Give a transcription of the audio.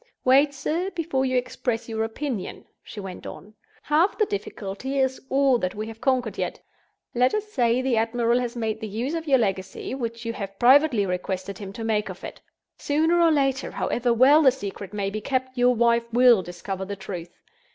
"Wait, sir, before you express your opinion," she went on. "Half the difficulty is all that we have conquered yet. Let us say, the admiral has made the use of your legacy which you have privately requested him to make of it. Sooner or later, however well the secret may be kept, your wife will discover the truth.